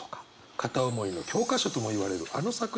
片思いの教科書ともいわれるあの作品から見つけました。